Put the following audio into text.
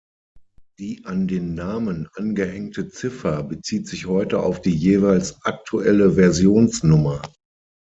Die an den Namen angehängte Ziffer bezieht sich heute auf die jeweils aktuelle Versionsnummer.